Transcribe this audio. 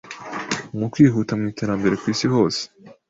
mu kwihuta mu iterambere ku isi hose